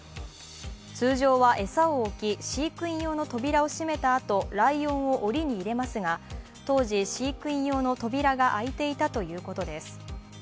通常は餌を置き、飼育員用の扉を閉めたあと、ライオンをおりに入れますが当時、飼育員用の扉が開いていたということです。